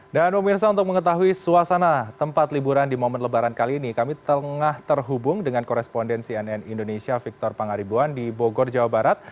pemirsa untuk mengetahui suasana tempat liburan di momen lebaran kali ini kami tengah terhubung dengan korespondensi nn indonesia victor pangaribuan di bogor jawa barat